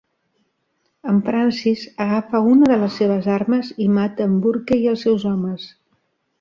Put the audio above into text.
En Francis agafa una de les seves armes i mata en Burke i els seus homes.